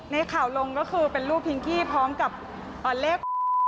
ในข่าวลงก็คือเป็นรูปพิงกี้พร้อมกับเลข